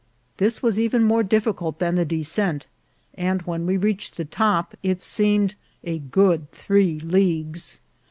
This was even more difficult than the descent, and when we reached the top it seemed good three leagues.